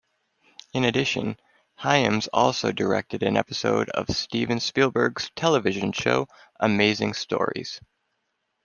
In addition, Hyams also directed an episode of Steven Spielberg's television show, "Amazing Stories".